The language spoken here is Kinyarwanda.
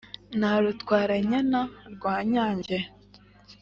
na rutwara-nyana rwa nyange